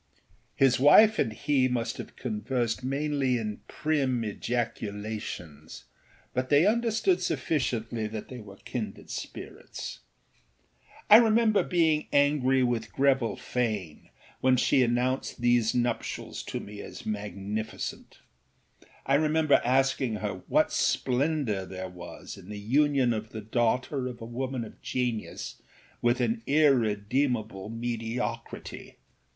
â His wife and he must have conversed mainly in prim ejaculations, but they understood sufficiently that they were kindred spirits. I remember being angry with Greville Fane when she announced these nuptials to me as magnificent; I remember asking her what splendour there was in the union of the daughter of a woman of genius with an irredeemable mediocrity.